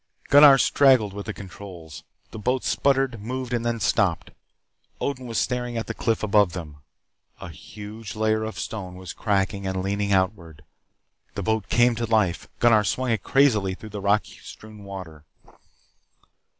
Gunnar struggled with the controls. The boat sputtered, moved, and then stopped. Odin was staring at the cliff above them. A huge layer of stone was cracking and leaning outward. The boat came to life. Gunnar swung it crazily through the rock strewn water.